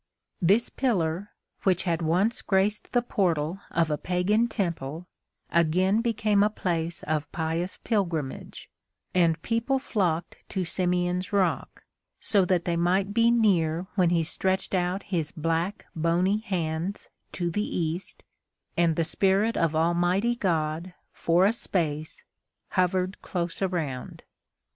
This pillar, which had once graced the portal of a pagan temple, again became a place of pious pilgrimage, and people flocked to Simeon's rock, so that they might be near when he stretched out his black, bony hands to the East, and the spirit of Almighty God, for a space, hovered close around.